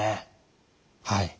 はい。